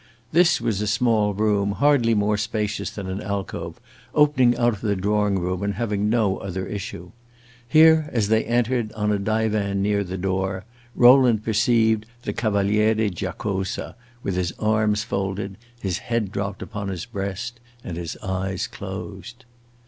This was a small room, hardly more spacious than an alcove, opening out of the drawing room and having no other issue. Here, as they entered, on a divan near the door, Rowland perceived the Cavaliere Giacosa, with his arms folded, his head dropped upon his breast, and his eyes closed.